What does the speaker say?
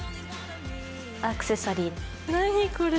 アクセサリー何これ。